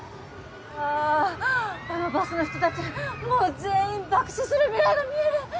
ああのバスの人たちもう全員爆死する未来が見える。